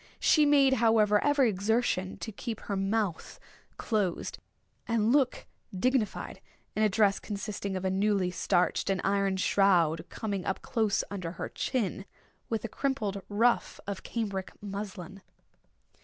She made, however, every exertion to keep her mouth closed and look dignified, in a dress consisting of a newly starched and ironed shroud coming up close under her chin, with a crimpled ruffle of cambric muslin.